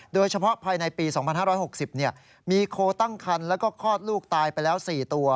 โดยเฉพาะภายในปี๒๕๖๐มีโคตั้งคันแล้วก็คลอดลูกตายไปแล้ว๔ตัว